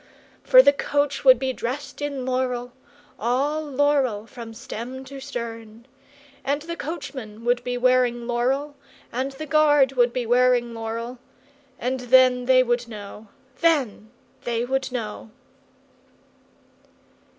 For the coach would be dressed in laurel, all laurel from stem to stern! And the coachman would be wearing laurel, and the guard would be wearing laurel; and then they would know, then they would know!"